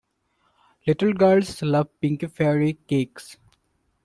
Little girls love pink fairy cakes.